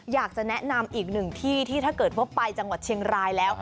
อยากจะแนะนำอีกหนึ่งที่ที่ถ้าเกิดว่าไปจังหวัดเชียงรายแล้ว